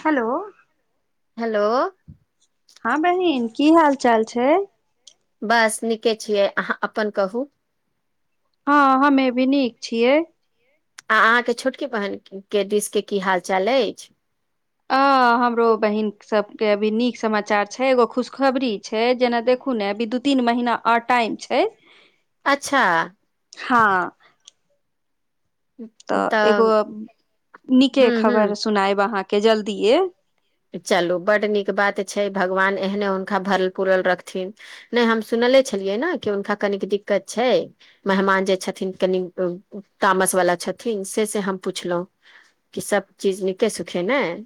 Hello. Hello. हँ बहिन की हाल चाल छै। बस नीके छियै अहाँ अपन कहू। हँ हमे भी नीक छियै। आ अहाँके छोटकी बहिन के दिश के की हाल चाल अछि। अ हमरो बहिन सब के अभी नीक समाचार छै एगो खुशखबरी छै जेना देखु ने अभी दू तीन महीना। आओर टाइम छै। अच्छा। हँ। तऽ एगो नीके हूँ खबर हूँ सुनायब अहाँके जल्दीेये चलू बड नीक बात छै भगवान एहने हुनखा भरल पूरल रखथिन नै हम सुनले छलियै न कि हुनका कनिक दिक्कत छै। मेहमान जे छथिन कनि तामस वला छथिन से से हम पुछलौं कि सब चीज नीके सुखे नाय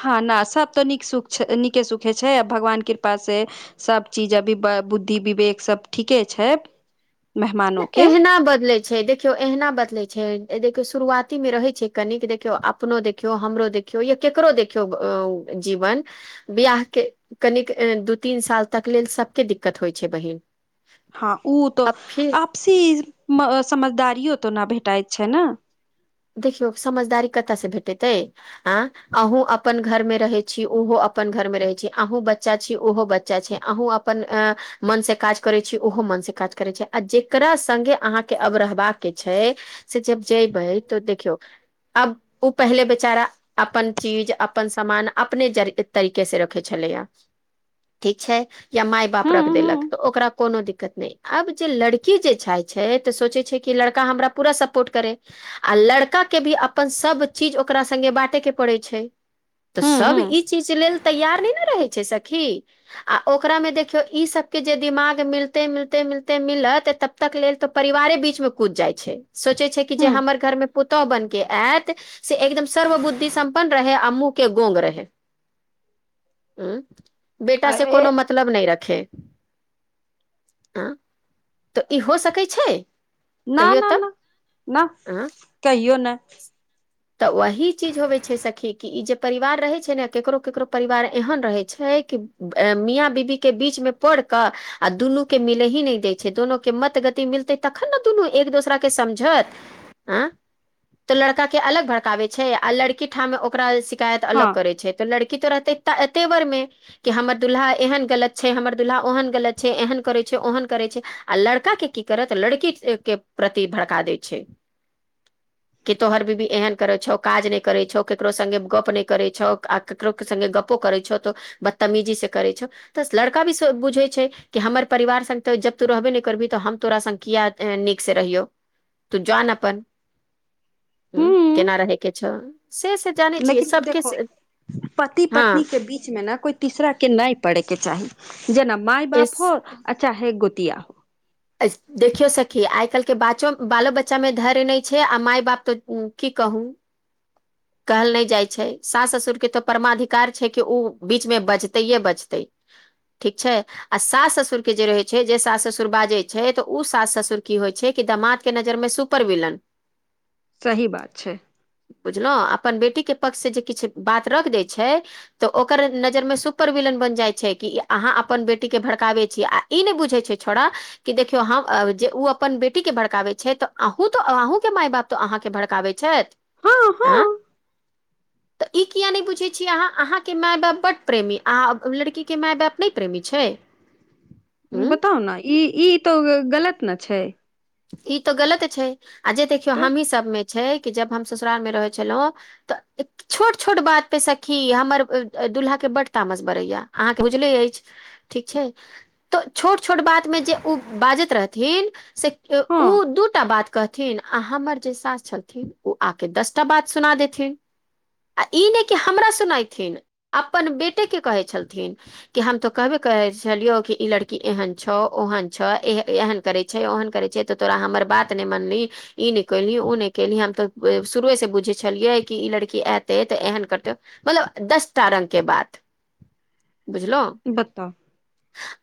हँ ना सब तऽ नीक सुख छै नीके सुखे छै आ भगवान कृपास से सब चीज अभी बुद्धि विवेक सब ठीके छैप एहना बदलै छै देखियौ एहना बदले छै देखियौ शुरुआती मे रहै छै कनिक देखियौ अपनो देखियौ हमरो देख देखियौ या केकरो देखियौ जीवन बियाहके कनिक दू तीन साल तक लेल सबके दिक्कत होइ छै बहिन हँ उ तऽ अब फिर आपसी समझदारियो तऽ ना भेटाइत छै ना देखियौ समझदारी कतय से भेटैतयै आँ अहूँ अपन घर मे रहे छी ओहो अपन घर मे रहे छी अहूँ बच्चा छी ओहो बच्चा छै अहूँ अप अपन आँ मन से काज करै छी ओहो मन से काज करै छै आ जकरा सङ्गे अहाँके अब रहबाके छै से जब जे त देखियौ अब ओ पहले बेचारा अपन चीज अपन सामान अपने जर तरीके से रखै छलैया ठीक छै या माय बाप हूं रख हूं देलक तऽ ओकरा कोनो दिक्कत नै आब जे लड़की जे छै छै तऽ सोचै छै कि लड़का हमरा पूरा सपोर्ट करै आ लड़का के भी अपन सब चीज ओकरा संगे बाटे के पड़े छै तऽ हूं सब हूं ई चीज लेल तैयार नै ने रहै छै सखी आ ओकरामे देखियौ ई सबके जे दिमाग मिलते मिलते मिलते मिलत त तक लेल तऽ परिवारे बीचमे कूद जाइ छै सोचै छै कि जे हूं हमर घरमे पुतहु बनिके आयत से एकदम सर्व बुद्धि सम्पन्न रहै आ मुँह के गोंग रहे हू बेटा से ए कोनो मत मतलब नय रखे हँ तऽ ई हो सकै छै ना कहियो ना तऽ ना ना अ कहियो नय तऽ वही चीज होवे छै सखी कि ई जे परिवार रहै छै नऽ ककरो - केकरो परिवार एहन रहै छै कि ए मिया बीबी केँ बीच मे पर कऽ आ दुनूकेँ मिलही नय दै छै दुनू केँ मत गति मिलतै तखन नऽ दुनू एक दोसरा केँ समझत अ तऽ लड़का केँ अलग भड़काबै छै आ लड़की ठाम ओकरा सि कायत हँ अलग करे छै तऽ लड़की तऽ रहते त - तेवर मे कि हमर दुल्हा एहन गलत छै हमर दुल्हा ओहन गलत छै एहन करै छै ओहन करै छै आ लड़का केँ की करत लड़की केँ प्रति भड़का दै छै की तोहर बीबी एहेन करै छौ काज नच करै छौ ककरो संगे गप नय करै छौ आ ककरो केँ संगे गप्पो करे छो तो बदतमीजी से करे छो तऽ लड़का भी सो बुझे छै कि हमर परिवार संग तऽ जब तो रहबे नय करबही तऽ हम तोरा संग किया ए - नीक से रहियौ तू जान अपन हुँ हूं केना रहै केँ छौ से - से जानै छियै लेकिन सबके देखो पति पत्नी हँ केँ बीच मे नऽ कोइ तीसरा केँ नय पड़ै केँ चाही जेना मााय बाप हो आ चाहे गोतिया हो देखियो सखी आइ काइल केँ बाचो बालो बच्चा मे धर्य नय छै आ माय बाप तऽ की कहू कहल नय जाइ छै सास ससुर केँ तऽ परमाधिकार छै कि उ बीचमे बजतैए बजतै ठीक छै आ सास ससुर केँ जे रहै छै जे सास ससुर बाजै छै तऽ उ सास ससुर की होइ छै कि दमाात केँ नजरमे सु पर विलन सही बात छै बुझलहु अपन बेटी केँ पक्ष से जे किछ बात रख दै छै तऽ ओकर नजर मे सुपर विलन बन जाइ छै कि अहाँ अपन बेटी केँ भड़काबै छी आ ई नय बुझै छै छोड़ा कि देखियौ हम जे उ अपन बेटी केँ भड़काबै छै तऽ अहूँ तऽ अहूँ केँ माय बाप तऽ अहाँकेँ भड़काबै छैथ हँ आँ हँ तऽ ई किया नय बुझै छियै अहाँ अहाँकेँ माय बाप बड्ड प्रेमी अहाँ अ लड़की केँ माय बाप नय प्रेमी छै उं बताउ नऽ ई ई तऽ गलत नऽ छै ई तऽ गलत छै आ जे देखियौ तऽ हमही सभमे छै कि जब हम ससुरालमे रहै छलहुँ तऽ एक छोट - छोट बात पे सखी हमर ए अ दुल्हा केँ बड्ड तामस बरहै यऽ अहाँकेँ बुझले अछि ठीक छै तऽ छोट - छोट बातमे जे उ बाजैत रहथिन से हँ किओ दूटा बात कहथिन आ हमर जे सास छलथिन उ आकेँ दस टा बात सुना देथिन आ ई नय कि हमरा सुनथिन अपन बेटे केँ कहै छलथिन की हम तो कहबे करै छलियो इ लड़की एहन छौ ओहन छौ ए एहन करे छै ओहन करै छै तऽ तोरा हमर बात मय मानलही ई नय केलही उ नय केलही हम तऽ ए शुरूएसँ बुझै छलियै कि ई लड़की ऐतै ऐतै तऽ एहेन करतै मतलब दस टा रंग केँ बात बुझलउ बताउ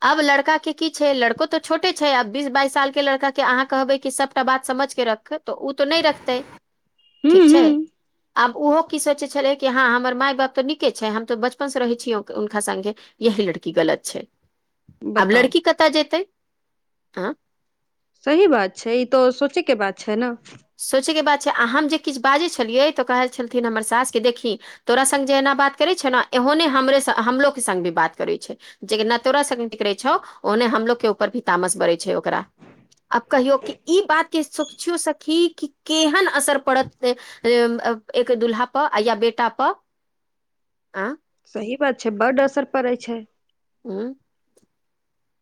अब लड़का केँ की छै लड़को तऽ छोटे छै अब बीस बाइस साल केँ लड़का केँ अहाँ कहबै की सबटा बात समेझ केँ रख उ तो नय रखतै हूं टीक छै हूं आब ओहो की सोचे छलै कि हँ हमर माय बाप तऽ नीके छै हम तऽ बचपन से रहै छी हुनका संगे यही लड़की गलत छै आब बताउ लड़की कतऽ जेतै अ सही बात छै ई तो सोचै केँ बात छै नऽ सोचैके बात छै आ हम जे किछ बाजै छलियै तऽ कहै छलथिन हमर सासके देखी तोरा संग जे एना बात करै छौ ने ओहने हमरे हमलोे संग भी बात करै छै जे न तोरा सब बिगरे छौ ओहने हमलोग के ऊपर भी तामस बरे छै ओकरा आब कहियौ कि ई बात के सोचियौ सखी कि केहन असर पड़त एक दुल्हा पर या बेटा पर सही बात छै बड असर पड़ै छै हूँ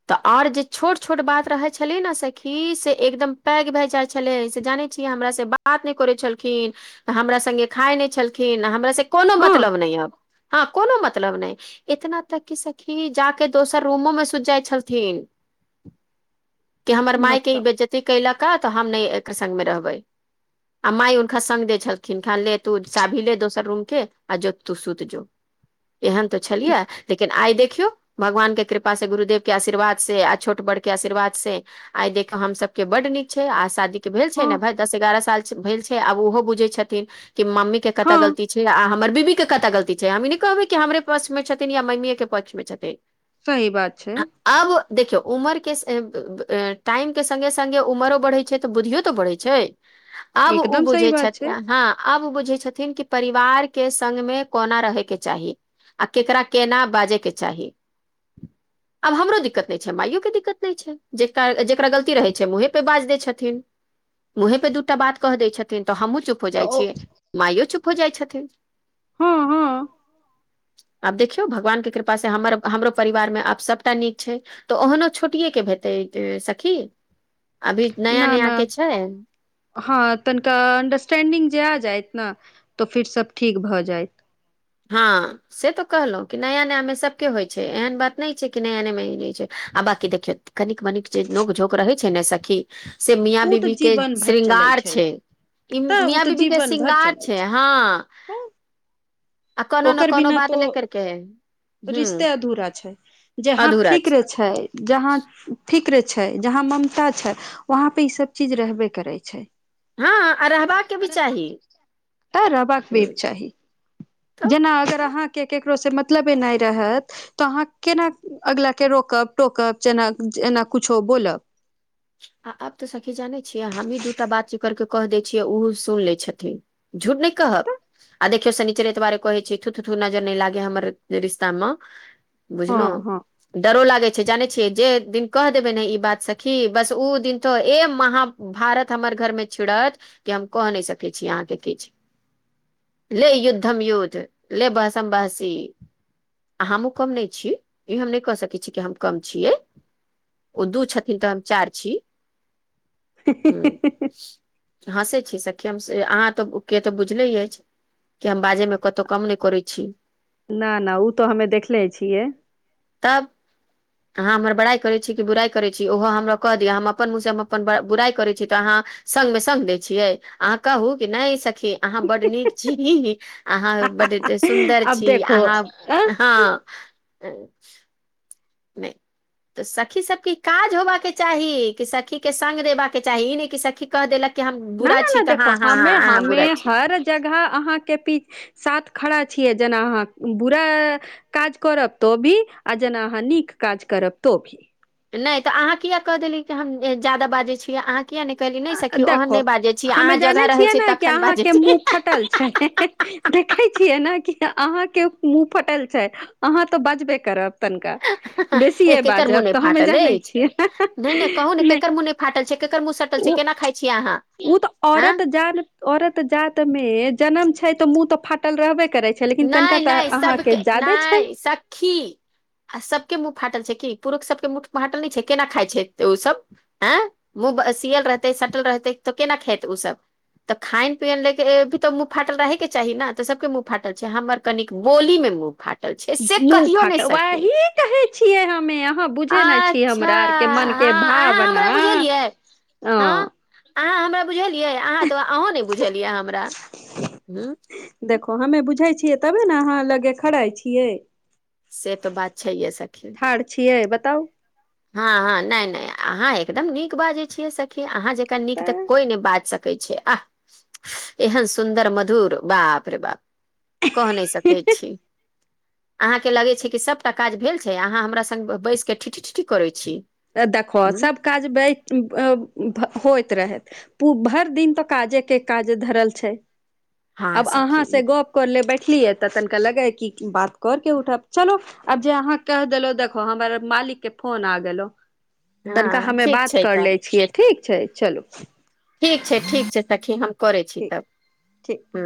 तऽ आर जे छोट छोट बात रहे छले ने सखी से एकदम पैग भए जाय छले से जाने छिऐ बात नय करै छलखिन हमरा संगे खाय नय छलखिन हम से कोनो हँ मतलब नय अब हँ कोनो मतलब नय इतना तक कि सखी जा के दोसर रूमो में सुत जाइ छलथिन कि हमर मायके ही बताउ बेज्ज बेजती कलक तऽ हम ने एकर संग मे रहबै आ माइ हुनका संग द छलखिन ले तू चाभी ले दोसर रूम के आ जोत तू सुत जो एहन ते छलियै लेकिन आइ देखियौ भगवान के कृपा से गुरुदेव के आशीर्वाद से आ छोट बड़ के आशीर्वाद से आइ देख हम सब के बड नीक छै आ शादी भेल छै हँ ने भाय दस एगारह साल भेल छै आब ओहो बुझै छथिन कि मम्मी के कतऽ हँ गलती छै अह हमर बीबी के कता गलती छै हम ई नहि कहबै कि हमरे पक्ष मे छथिन या मम्मीए के पक्ष मे छथिन सही बात छैय आब देखियौ उमर के टाइम के सङ्गे संगे उमरो बढ़ै छै तऽ बुद्धियो तऽ बढ़ैत छै [inaudible] आब उ सही बुझै बात छैथ छै हँ आब बुझै छथिन कि परिवार के संग में कोना रहैके चाही आ केकरा केना बाजे के चाही आब हमरो दिक्कत नय छै माइयो के दिक्कत नहि छै जेकर जेकरा गलती रहै छै मुंहे पे बाज दैय छथिन मुंहे पे दू टा बात कह दै छथिनऽ हमूँ चुप चप हो तऽ जाइ ओ छिय माइयो चुप हो जाइ छथिन हँ हँ आब देखियौ भगवान के कृपा से हमर हमरो परिवार मे आब सब टा नीक छै तऽ ओहनो छोटिये के भेटै सखी अभी नया न नया न के छै हँ तनिका अंडरस्टेंडिंग जे आब जायइत ने तऽ फिर सब ठीक भऽ जायइत हँ से तो कहलहुँ कि नया नयामे सबके होइ छै एहन बात नहि छै कि नया नया हो छै आ बाकी देखियौ कनिक मनिक जे नोक झोक रहै छै ने सखी से मिया ओ तऽ बीबी के जीवन भर चलै श्रृंगार छै ई तऽ ओ मिया तऽ बीबी के जीवन भर शृंगार चलै छै हँ तऽ आ कोनो ने ओकर कोनो बिना बात तो ले करके ह रिश्ते अधूरा छै जहाँ फिक्र छै जहाँ फिक्रे छै छै जहाँ ममता छै वहाँ पे ई सब चीज रहबे करै छै हँ आ रहबाक के भी चाही तऽ रहबाक भी ह चाही तब जेना अगर अहाँके केकरोसँ मतलबे नय रहत तऽ अहाँ केना अगिलाके रोकब टोकब जेना जेना कुछो बोलब आ आब तऽ सखी जानै छियै हमही दू टा बाती करके कऽ दै छियै ओहो सुन लै छथिन झूठ नय कहब आ देखियौ शनिचर ए दुआरे कह छ छी थू थू नजर नहि लागे हमर रिश्ता म बुझलु हँ हँ डरो लागै छै जानै छियै जे दिन कह देबै ने ई बात सखी बस उऽ दिन तो ए महाभारत हमर घर में छिड़त। कि हम कह नै सकै छी अहाँ केँ किछु ले युद्धम युद्ध ले बहसम बहसी हमहुँ कम नै छी ई हम नै कऽ सकै छी कि हम कम छियै। ओ दू छथिन तऽ हम चार छी [inaudible] हँसै छी सखी हम से अहाँ तऽ केँ तऽ बुझले ऐछ केँ हम बाजे में कतो कम नै करै छी। ना ना ओ तऽ हमे देखले छियै। तब [inaudible] अहाँ हमर बड़ाई करै छी कि बुराइ करे छी ओहो हमरा कऽ दिअ हम अपन मुँह से हम अपन ब बुराइ करै छी तऽ अहाँ। संग म संग दै छियै अहाँ कहू कि नें सखी अहाँ बड नीक छी अहाँ बड एतै सुन्दर अब छी देखो अहाँ अ हँ [inaudible] नै तऽ सखी सबकेँ काज होबा केँ चाही कि सखी केँ संग देबा केँ चाही ई नै कि सखी। कह देलक कि हम न बुरा न छी न तऽ हँ हँ हऽहऽ हऽ' बुरा छी। जहाँ अहाँ केँ पी सात खड़ा छियै जेना अहाँ बुरा, काज करब तो भी आ जेना अहाँ नीक काज करब तो भी नै तऽ अहाँ किया कह देली कि हम जे जादा बाजै छीय अहाँ किया नहि कहली नहि आ सखी ओहन देखो नहि बाजै छी हमे अहाँ जानै जगह रहै छियै छै न कि तखन बाजै अहाँकेँ छी मुँह फटल छै देखे छियै न कि अहाँ केँ मुँह फटल छै अहाँ तऽ बजबे करब तनिका बेसी एक एकर मुँह बाजब नहि तऽ हमे फाटल जानै अछि छियै [unintelligible] नहि नहि कहू ने नहि। केकर मुँह फाटल छै केकर मुँह सट उऽ [inaudible] उऽ तऽ औरत जान औरत जात में जन्म छै तऽ मुँह तऽ फाटल रहबे करे नै नै सब केँ नै सखी। आ सब केँ मुँह फाटल छै की पुरुख सब केँ मुँह फाटल नै छै केना खाइ छैथ तऽ ओ सब मुँह सियल रहतेै सटल रहतै तऽ केना खेतै ओ सब। तऽ खायन पियन ले केँ भी तऽ मुँह फाटल रहे केँ चाही न तऽ सब केँ मुँह। फाटल छै हमर कनिक बोली में मुँह फाट मुँह फाट वही कहै छियै हमे अहाँ बुझे नहीं छीयै अच्छा हमरा आर केँ मन। केँ हँ अहाँ भावना हमरा हऽ बुझलियै हँ अहाँ हमरा बुझलियै अहाँ तऽ आहुँ नै बुझलियै हमरा हु देखो हमे बुझै छियै तबे ने अहाँ लगे खरै छियै से तो बात छैहे सखी ठार छियै बताउ हँ हँ नै नें अहाँ एकदम नीक बाजै छीयै सखी अहाँ जेक नीक तऽ कोई नें बाज सक कै छै आह एहन सुन्दर मधुर बाप रे बाप। कह नै सकै तऽ छी [inaudible] अहाँ केँ लगे छै कि सबटा काज भेल छै अहाँ हमरा संग बैस केँ ठिठी ठिठी करै छी। ए देखहो ह सभ काज [unintelligible] होइत रहैत पू भैर दिन तऽ काजे केँ काज धरल छै हँ आब अहाँ सखी से गप कर लऽ बैठलीयै तऽ तनिका लगै है कि बात कर केँ उठब चलो आब जे अहाँ कह देलो देखो हमर मालिक केँ फोन आ गेलो तनिका हँ हमे ठीक बात छै कर ले तब छियै ठीक छै चलू ठीक छै ठीक छै सखी हम करै छी ठीक तब ठीक हू